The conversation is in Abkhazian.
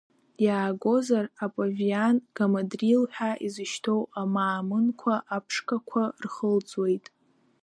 Иаагозар, апавиан гамадрил ҳәа изышьҭоу амаамынқәа аԥшқақәа рхылҵуеит.